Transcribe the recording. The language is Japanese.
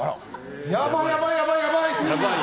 やばやばやばいって。